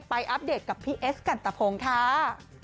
อัปเดตกับพี่เอสกันตะพงค่ะ